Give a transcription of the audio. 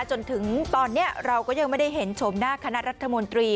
จนถึงตอนนี้เราก็ยังไม่ได้เห็นชมหน้าคณะรัฐมนตรี